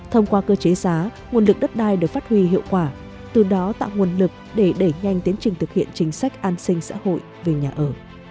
thông qua cơ chế giá nguồn lực đất đai được phát huy hiệu quả từ đó tạo nguồn lực để đẩy nhanh tiến trình thực hiện chính sách an sinh xã hội về nhà ở